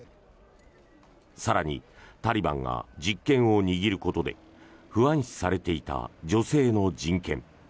更にタリバンが実権を握ることで不安視されていた女性の人権。